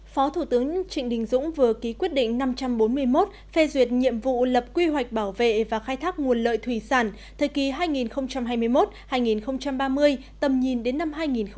phó thủ tướng trịnh đình dũng vừa ký quyết định năm trăm bốn mươi một phê duyệt nhiệm vụ lập quy hoạch bảo vệ và khai thác nguồn lợi thủy sản thời kỳ hai nghìn hai mươi một hai nghìn ba mươi tầm nhìn đến năm hai nghìn năm mươi